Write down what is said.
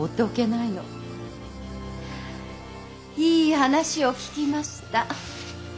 いい話を聞きました。